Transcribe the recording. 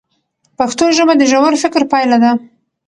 پښتو ژبه د ژور فکر پایله ده.